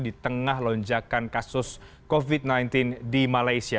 di tengah lonjakan kasus covid sembilan belas di malaysia